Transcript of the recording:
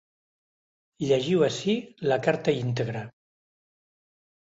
Llegiu ací la carta íntegra.